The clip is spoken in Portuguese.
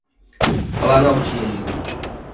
Planaltino